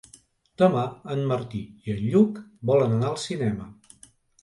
Demà en Martí i en Lluc volen anar al cinema.